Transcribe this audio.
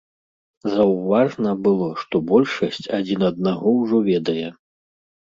Заўважна было, што большасць адзін аднаго ўжо ведае.